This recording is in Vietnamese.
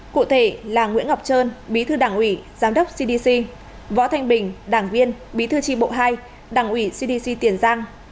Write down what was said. cụ thể là nguyễn ngọc trơn bí thư đảng ủy giám đốc cdc võ thanh bình đảng viên bí thư tri bộ hai đảng ủy cdc tiền giang